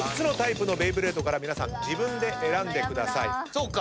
そうか。